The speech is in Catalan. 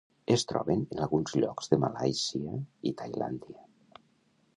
Es troben en alguns llocs de Malàisia i Tailàndia.